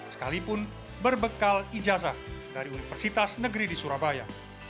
sekalipun berbekal ijazah dari universitas negeri di surabaya